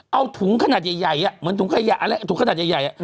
เอาถุงขนาดใหญ่เหมือนถุงขนาดใหญ่